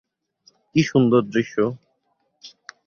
কী সুন্দর দৃশ্য।